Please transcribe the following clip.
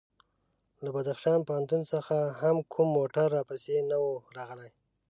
له بدخشان پوهنتون څخه هم کوم موټر راپسې نه و راغلی.